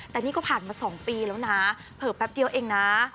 แต่นี่ก็ผ่านมา๒ปีแล้วนะเผลอแป๊บเดียวเองนะ